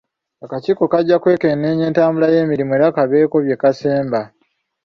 Akakiiko kajja kwekenneenya entambula y'emirimu, era kabeeko bye kasemba.